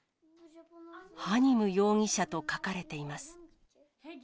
ハニム容疑者と書かれています。